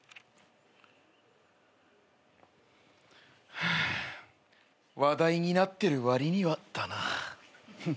ハァ話題になってる割にはだな。